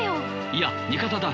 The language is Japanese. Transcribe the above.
いや味方だ。